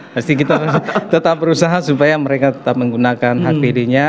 pasti kita tetap berusaha supaya mereka tetap menggunakan hpd nya